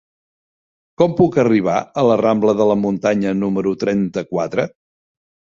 Com puc arribar a la rambla de la Muntanya número trenta-quatre?